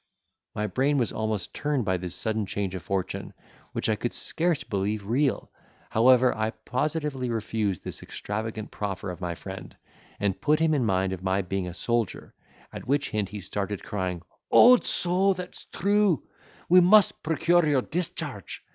My brain was almost turned by this sudden change of fortune, which I could scarce believe real: however, I positively refused this extravagant proffer of my friend, and put him in mind of my being a soldier; at which hint he started, crying, "Odso! that's true! we must procure your discharge.